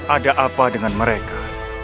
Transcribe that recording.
ada apa dengan mereka